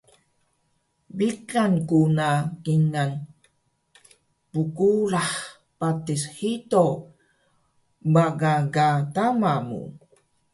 Biqan ku na kingal bgurah patis hido baga ka tama mu